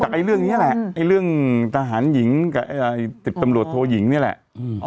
ไอ้เรื่องนี้แหละไอ้เรื่องทหารหญิงกับสิบตำรวจโทยิงนี่แหละ